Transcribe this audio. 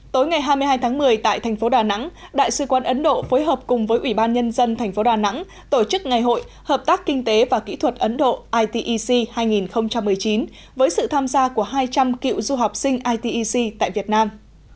tối ngày hai mươi hai tháng một mươi tại thành phố đà nẵng đại sư quan ấn độ phối hợp cùng với ủy ban nhân dân thành phố đà nẵng tổ chức ngày hội hợp tác kinh tế và kỹ thuật ấn độ itec hai nghìn một mươi chín với sự tham gia của hai trăm linh cựu du học sinh itec tại việt nam